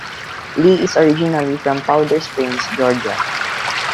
Lee is originally from Powder Springs, Georgia.